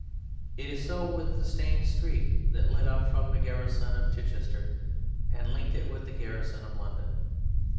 It is so with the Stane Street that led up from the garrison of Chichester and linked it with the garrison of London.